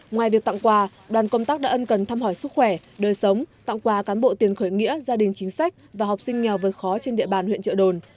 ngoài việc tặng quà đoàn công tác đã ân cần thăm hỏi sức khỏe đời sống tặng quà cán bộ tiền khởi nghĩa gia đình chính sách và học sinh nghèo vượt khó trên địa bàn huyện trợ đồn